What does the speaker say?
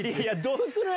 どうする？